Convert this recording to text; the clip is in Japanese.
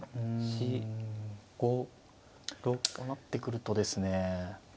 こうなってくるとですね。